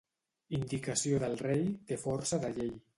Indicació del rei, té força de llei.